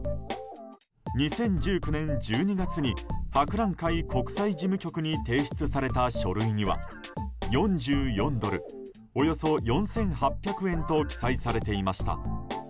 ２０１９年１２月に博覧会国際事務局に提出された書類には４４ドル、およそ４８００円と記載されていました。